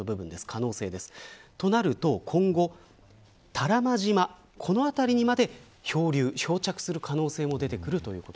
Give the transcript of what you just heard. となると、今後多良間島、この辺りにまで漂流、漂着する可能性も出てくる。